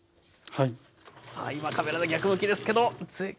さあ今カメラが逆向きですけど！